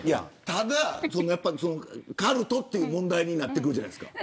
ただ、カルトという問題になってくるじゃないですか。